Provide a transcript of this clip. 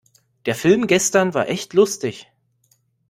Der Film gestern war echt lustig.